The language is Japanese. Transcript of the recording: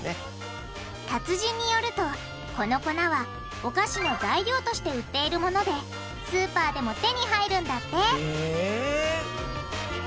達人によるとこの粉はお菓子の材料として売っているものでスーパーでも手に入るんだって！